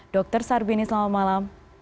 dr sarbini selamat malam